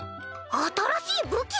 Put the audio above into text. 新しい武器！